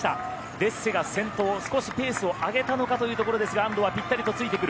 デッセが先頭少しペースを上げたのかというところですが安藤はぴったりとついてくる。